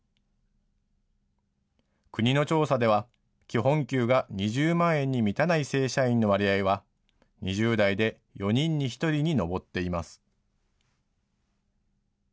国の調査では、基本給が２０万円に満たない正社員の割合は、２０代で４人に１人に上っています。